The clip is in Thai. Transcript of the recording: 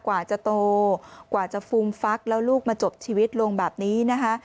กว่าจะโตกว่าจะฟูมฟักแล้วลูกมาจบชีวิตลงแบบนี้นะคะ